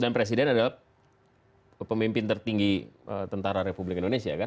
dan presiden adalah pemimpin tertinggi tentara republik indonesia kan